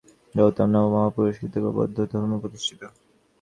গৌতম নামক মহাপুরুষ কর্তৃক বৌদ্ধধর্ম প্রতিষ্ঠিত।